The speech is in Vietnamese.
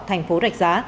thành phố rạch giá